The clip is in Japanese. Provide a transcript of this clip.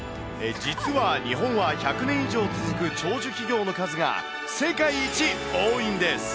実は日本は１００年以上続く長寿企業の数が世界一多いんです。